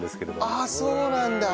ああそうなんだ。